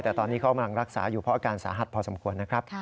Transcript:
แต่ตอนนี้เขากำลังรักษาอยู่เพราะอาการสาหัสพอสมควรนะครับ